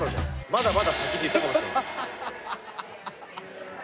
「まだまだ先」って言ったかもしれない。